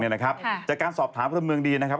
จากการสอบถามพลเมืองดีนะครับ